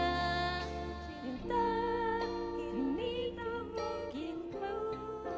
cinta ini tak mungkin pun